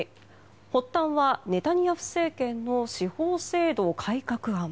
発端はネタニヤフ政権の司法制度改革案。